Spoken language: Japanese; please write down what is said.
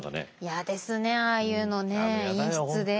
嫌ですねああいうのね陰湿で。